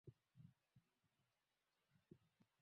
ya kumuwekea vikwazo vya kiuchumi hasimu wake